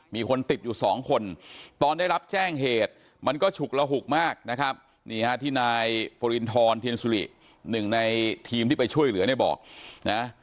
มีคนติดอยู่สองคนตอนได้รับแจ้งเหตุมันก็ฉุกระหุกมากนะครับนี่ฮะที่นายปริณฑรเทียนสุริหนึ่งในทีมที่ไปช่วยเหลือเนี่ยบอกนะ